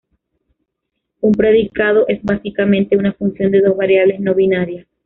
Un predicado es básicamente una función de dos variables no binarias.